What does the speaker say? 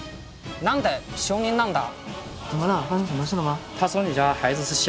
何で小人なんだ